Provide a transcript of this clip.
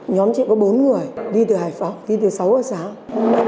nhóm chị có bốn người đi từ hải phòng đi từ sáu ở sáu